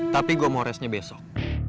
tapi gue mau restnya besok